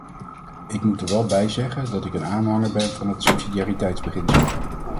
Ik moet er wel bij zeggen dat ik een aanhanger ben van het subsidiariteitsbeginsel.